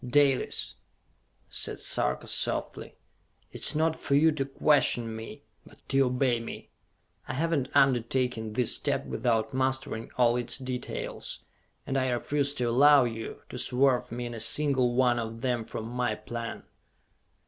"Dalis," said Sarka softly, "it is not for you to question me, but to obey me! I have not undertaken this step without mastering all its details, and I refuse to allow you to swerve me in a single one of them from my plan."